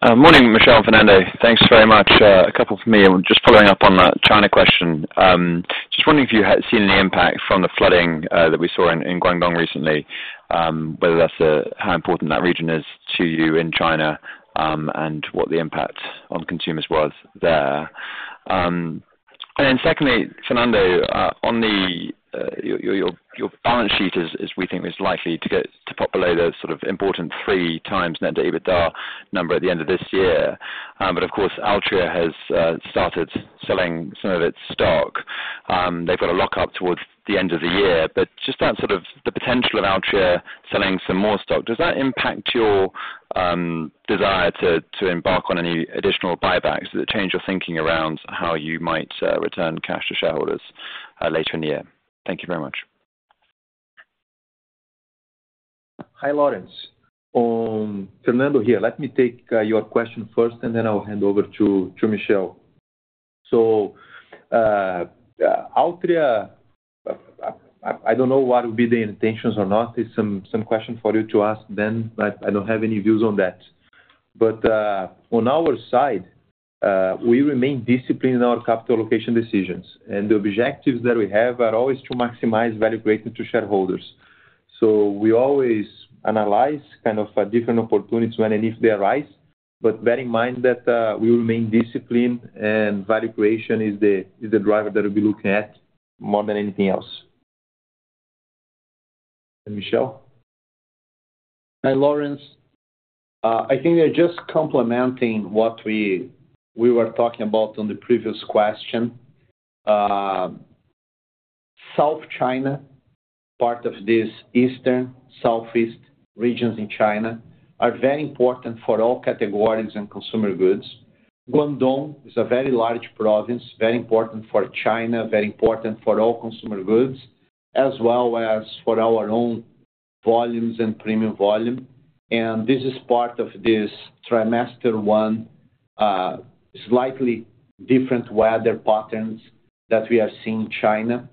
Morning, Michel, Fernando. Thanks very much. A couple from me, just following up on that China question. Just wondering if you had seen any impact from the flooding that we saw in Guangdong recently, whether that's how important that region is to you in China, and what the impact on consumers was there? And then secondly, Fernando, on your balance sheet, we think, is likely to get to a sort of important 3x net debt to EBITDA number at the end of this year. But of course, Altria has started selling some of its stock. They've got a lockup towards the end of the year, but just the sort of potential of Altria selling some more stock, does that impact your desire to embark on any additional buybacks? Does it change your thinking around how you might return cash to shareholders later in the year? Thank you very much. Hi, Laurence. Fernando here. Let me take your question first, and then I'll hand over to Michel. So, Altria, I don't know what would be the intentions or not. It's some question for you to ask them, but I don't have any views on that. But on our side, we remain disciplined in our capital allocation decisions, and the objectives that we have are always to maximize value creation to shareholders. So we always analyze kind of different opportunities when and if they arise, but bear in mind that we remain disciplined, and value creation is the driver that we'll be looking at more than anything else. Michel? Hi, Laurence. I think just complementing what we were talking about on the previous question. South China, part of this eastern, southeast regions in China, are very important for all categories and consumer goods. Guangdong is a very large province, very important for China, very important for all consumer goods, as well as for our own volumes and premium volume. And this is part of this first quarter, slightly different weather patterns that we are seeing in China,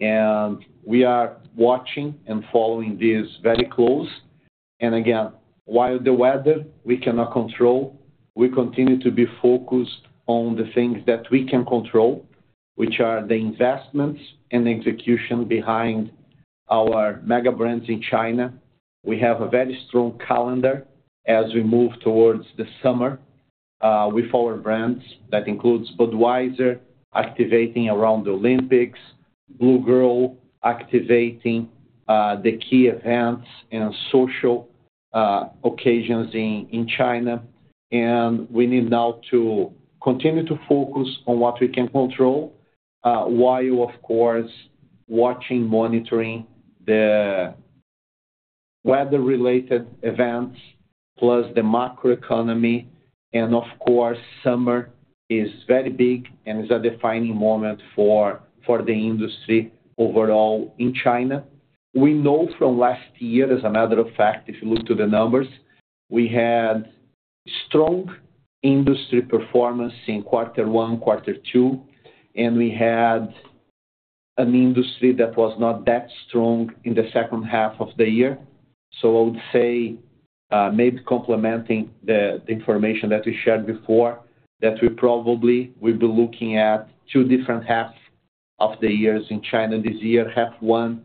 and we are watching and following this very close. And again, while the weather we cannot control, we continue to be focused on the things that we can control, which are the investments and execution behind our mega brands in China. We have a very strong calendar as we move towards the summer, with our brands. That includes Budweiser activating around the Olympics, Blue Girl activating, the key events and social, occasions in, in China. We need now to continue to focus on what we can control, while of course, watching, monitoring the weather-related events, plus the macroeconomy... And of course, summer is very big and is a defining moment for the industry overall in China. We know from last year, as a matter of fact, if you look to the numbers, we had strong industry performance in quarter one, quarter two, and we had an industry that was not that strong in the second half of the year. So I would say, maybe complementing the information that we shared before, that we probably will be looking at two different halves of the years in China this year. Half one,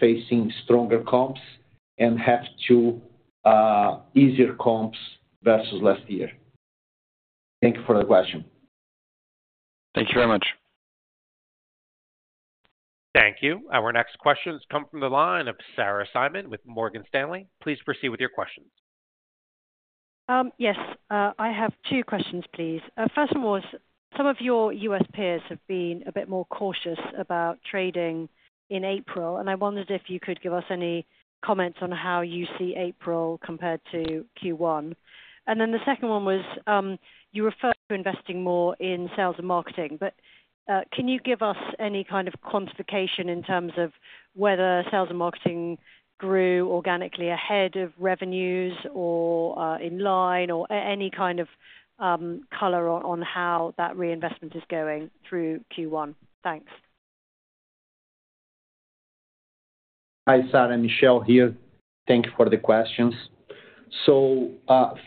facing stronger comps, and half two, easier comps versus last year. Thank you for the question. Thank you very much. Thank you. Our next question comes from the line of Sarah Simon with Morgan Stanley. Please proceed with your question. Yes, I have two questions, please. First of all, some of your U.S. peers have been a bit more cautious about trading in April, and I wondered if you could give us any comments on how you see April compared to Q1. And then the second one was, you referred to investing more in sales and marketing, but, can you give us any kind of quantification in terms of whether sales and marketing grew organically ahead of revenues or, in line, or any kind of, color on, on how that reinvestment is going through Q1? Thanks. Hi, Sarah, Michel here. Thank you for the questions. So,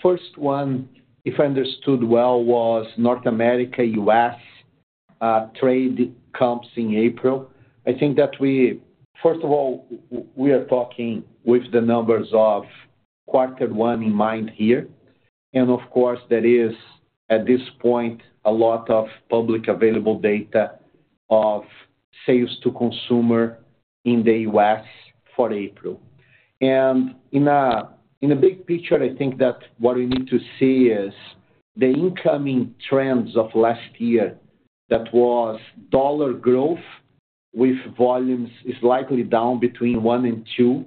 first one, if I understood well, was North America, US, trade comps in April. I think that we, first of all, we are talking with the numbers of quarter one in mind here, and of course, there is, at this point, a lot of publicly available data of sales to consumers in the US for April. And in a big picture, I think that what we need to see is the ongoing trends of last year. That was dollar growth with volumes is likely down between 1% and 2%.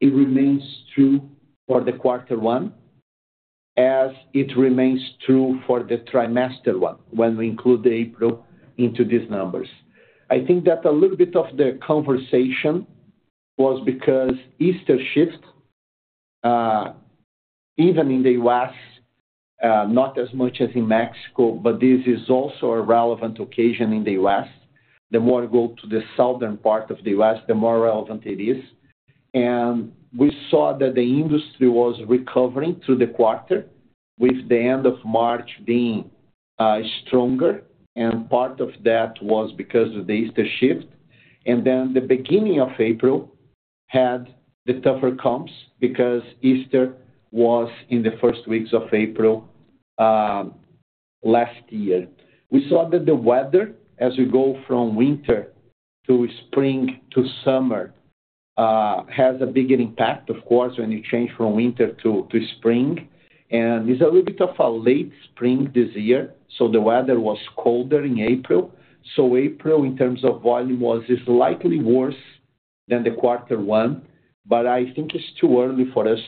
It remains true for the quarter one, as it remains true for the quarter one, when we include April into these numbers. I think that a little bit of the conversation was because Easter shift, even in the US, not as much as in Mexico, but this is also a relevant occasion in the US. The more you go to the southern part of the US, the more relevant it is. We saw that the industry was recovering through the quarter, with the end of March being stronger, and part of that was because of the Easter shift. Then the beginning of April had the tougher comps, because Easter was in the first weeks of April last year. We saw that the weather, as we go from winter to spring to summer, has a big impact, of course, when you change from winter to spring, and it's a little bit of a late spring this year, so the weather was colder in April. So April, in terms of volume, was, is likely worse than the quarter one, but I think it's too early for us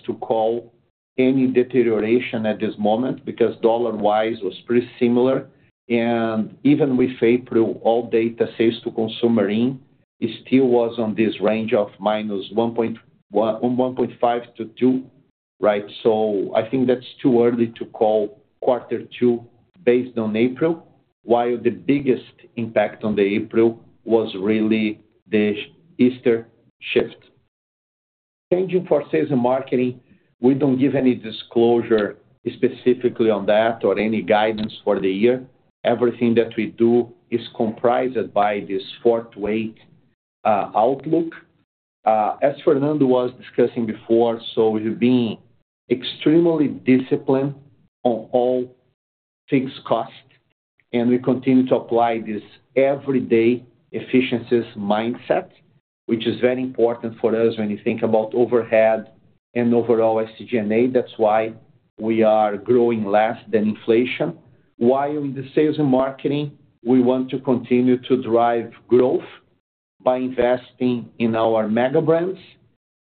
to call any deterioration at this moment, because dollar-wise, it was pretty similar. And even with April, all data sales to consumer in, it still was on this range of minus 1.1 – 1.5 to 2, right? So I think that's too early to call quarter two based on April, while the biggest impact on the April was really the Easter shift. Changing for sales and marketing, we don't give any disclosure specifically on that or any guidance for the year. Everything that we do is comprised by this forward-looking outlook. As Fernando was discussing before, so we've been extremely disciplined on all things cost, and we continue to apply this everyday efficiencies mindset, which is very important for us when you think about overhead and overall SG&A. That's why we are growing less than inflation. While in the sales and marketing, we want to continue to drive growth by investing in our mega brands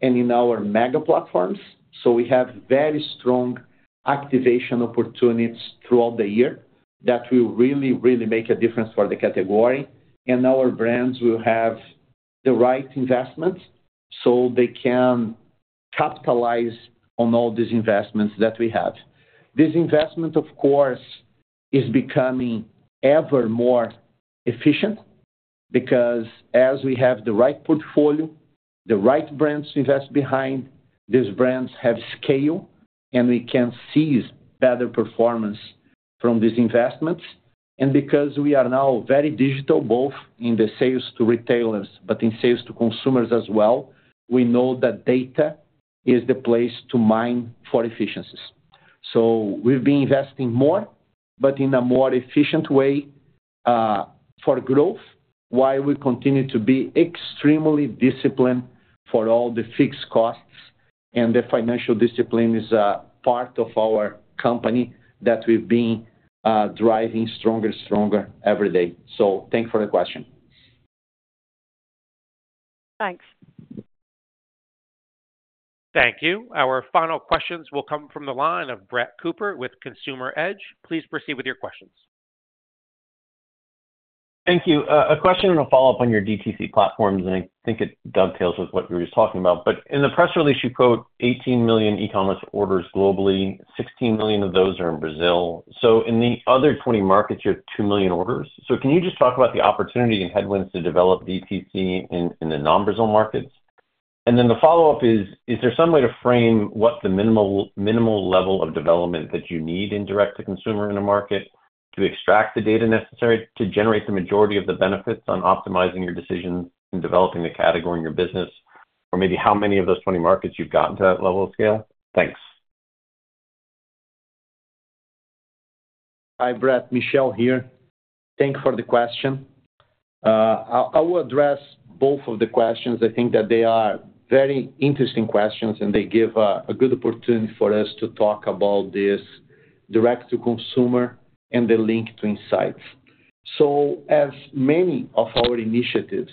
and in our mega platforms. So we have very strong activation opportunities throughout the year that will really, really make a difference for the category, and our brands will have the right investments, so they can capitalize on all these investments that we have. This investment, of course, is becoming ever more efficient, because as we have the right portfolio, the right brands to invest behind, these brands have scale, and we can seize better performance from these investments. Because we are now very digital, both in the sales to retailers, but in sales to consumers as well, we know that data is the place to mine for efficiencies. So we've been investing more, but in a more efficient way, for growth, while we continue to be extremely disciplined for all the fixed costs. And the financial discipline is a part of our company that we've been, driving stronger and stronger every day. So thank you for the question.... Thanks. Thank you. Our final questions will come from the line of Brett Cooper with Consumer Edge. Please proceed with your questions. Thank you. A question and a follow-up on your DTC platforms, and I think it dovetails with what you were just talking about. In the press release, you quote 18 million e-commerce orders globally, 16 million of those are in Brazil. So in the other 20 markets, you have 2 million orders. So can you just talk about the opportunity and headwinds to develop DTC in, in the non-Brazil markets? And then the follow-up is: Is there some way to frame what the minimal, minimal level of development that yo need in direct-to-consumer in a market to extract the data necessary to generate the majority of the benefits on optimizing your decisions and developing the category in your business? Or maybe how many of those 20 markets you've gotten to that level of scale? Thanks. Hi, Brett, Michel here. Thank you for the question. I, I will address both of the questions. I think that they are very interesting questions, and they give a, a good opportunity for us to talk about this direct-to-consumer and the link to insights. So as many of our initiatives,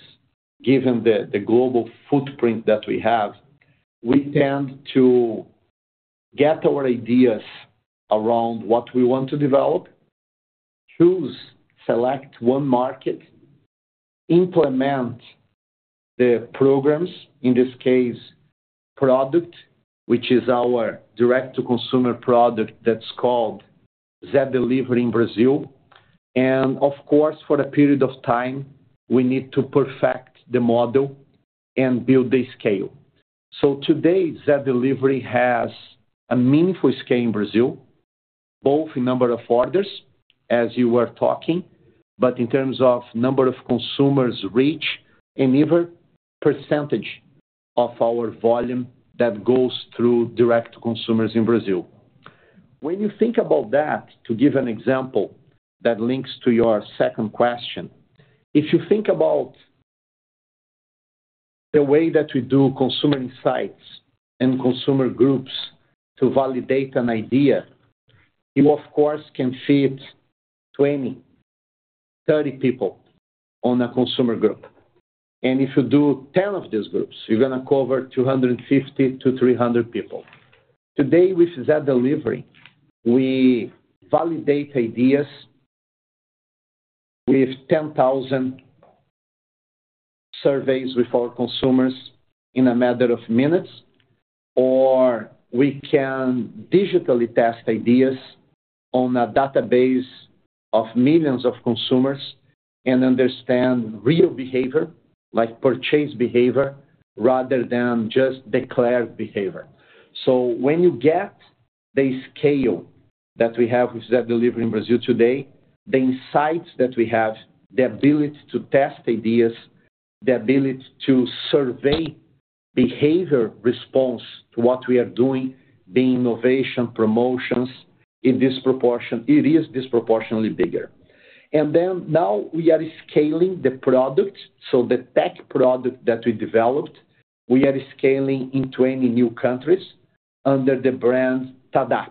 given the, the global footprint that we have, we tend to get our ideas around what we want to develop, choose, select one market, implement the programs, in this case, product, which is our direct-to-consumer product that's called Zé Delivery in Brazil. And of course, for a period of time, we need to perfect the model and build the scale. So today, Zé Delivery has a meaningful scale in Brazil, both in number of orders, as you were talking, but in terms of number of consumers reach and even percentage of our volume that goes through direct-to-consumers in Brazil. When you think about that, to give an example that links to your second question, if you think about the way that we do consumer insights and consumer groups to validate an idea, you, of course, can fit 20, 30 people on a consumer group. And if you do 10 of these groups, you're gonna cover 250-300 people. Today, with Zé Delivery, we validate ideas with 10,000 surveys with our consumers in a matter of minutes, or we can digitally test ideas on a database of millions of consumers and understand real behavior, like purchase behavior, rather than just declared behavior. So when you get the scale that we have with Zé Delivery in Brazil today, the insights that we have, the ability to test ideas, the ability to survey behavior response to what we are doing, the innovation, promotions, in disproportion-- it is disproportionately bigger. And then now we are scaling the product, so the tech product that we developed, we are scaling in 20 new countries under the brand TaDa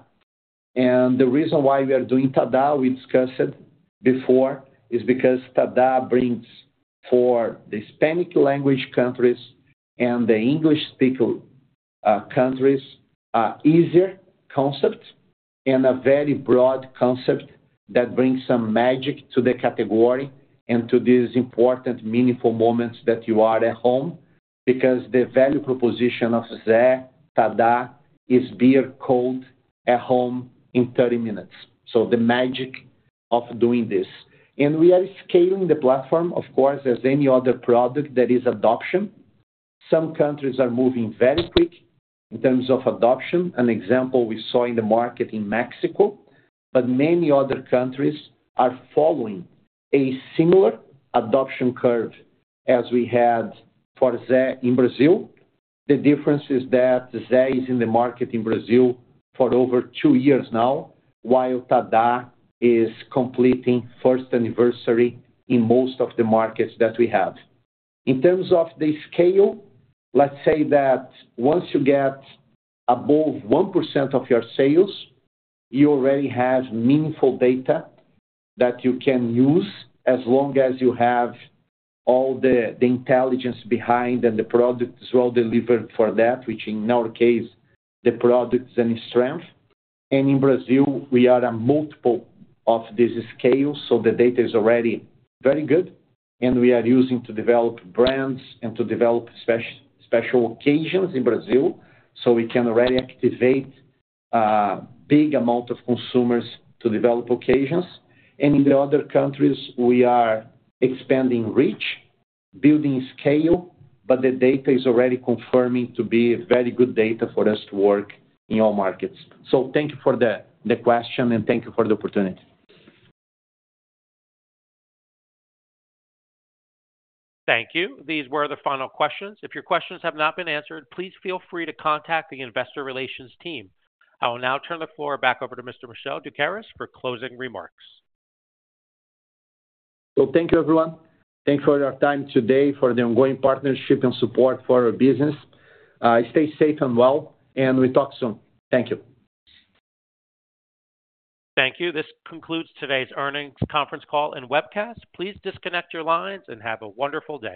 And the reason why we are doing TaDa, we discussed it before, is because TaDa brings for the Hispanic language countries and the English-speaker countries, a easier concept and a very broad concept that brings some magic to the category and to these important, meaningful moments that you are at home, because the value proposition of Zé, TaDa, is beer cold at home in 30 minutes. So the magic of doing this. We are scaling the platform, of course, as any other product, that is adoption. Some countries are moving very quick in terms of adoption. An example we saw in the market in Mexico, but many other countries are following a similar adoption curve as we had for Zé in Brazil. The difference is that Zé is in the market in Brazil for over 2 years now, while TaDa is completing first anniversary in most of the markets that we have. In terms of the scale, let's say that once you get above 1% of your sales, you already have meaningful data that you can use as long as you have all the intelligence behind and the product is well delivered for that, which in our case, the product is a strength. In Brazil, we are a multiple of this scale, so the data is already very good, and we are using to develop brands and to develop special occasions in Brazil, so we can already activate big amount of consumers to develop occasions. In the other countries, we are expanding reach, building scale, but the data is already confirming to be very good data for us to work in all markets. So thank you for the question, and thank you for the opportunity. Thank you. These were the final questions. If your questions have not been answered, please feel free to contact the investor relations team. I will now turn the floor back over to Mr. Michel Doukeris for closing remarks. Well, thank you, everyone. Thanks for your time today, for the ongoing partnership and support for our business. Stay safe and well, and we talk soon. Thank you. Thank you. This concludes today's earnings conference call and webcast. Please disconnect your lines and have a wonderful day.